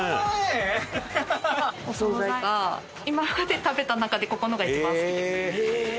お総菜が今まで食べた中でここのが一番好きです。